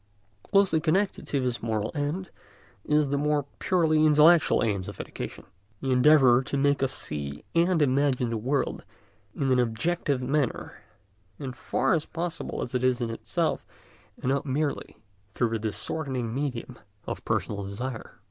Closely connected with this moral end is the more purely intellectual aim of education, the endeavour to make us see and imagine the world in an objective manner, as far as possible as it is in itself, and not merely through the distorting medium of personal desire.